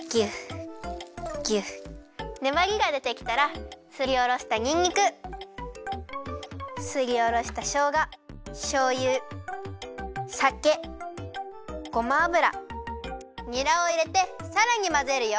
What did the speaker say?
ねばりがでてきたらすりおろしたにんにくすりおろしたしょうがしょうゆさけごま油にらをいれてさらにまぜるよ。